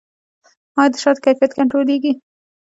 آیا د شاتو کیفیت کنټرولیږي؟